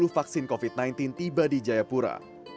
enam ratus delapan puluh vaksin covid sembilan belas tiba di jayapura